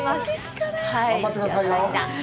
頑張ってくださいよ。